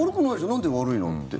なんで悪いのって。